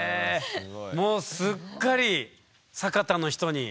もうすっかり酒田の人に。